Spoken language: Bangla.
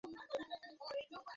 আমাদের বংশে, মরা মানুষকে মারি না!